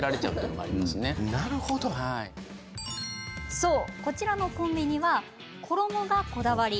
そう、こちらのコンビニは衣がこだわり。